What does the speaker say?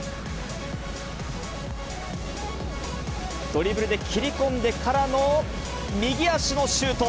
ドリブルで切り込んでからの、右足のシュート。